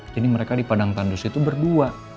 jadi mereka di padang tandus itu berdua